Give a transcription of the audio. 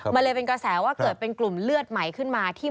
มันก็เลยจะเกิดเป็นกลุ่มเชื่องที่รงไลน์